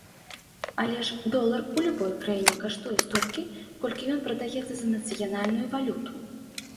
Але ж долар у любой краіне каштуе столькі, колькі ён прадаецца за нацыянальную валюту.